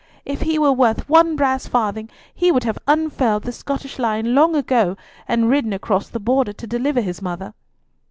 "If he were worth one brass farthing he would have unfurled the Scottish lion long ago, and ridden across the Border to deliver his mother."